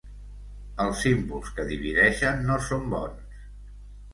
Els símbols que divideixen no són bons.